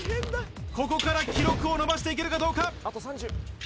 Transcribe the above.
ここから記録を伸ばしていけるかどうか。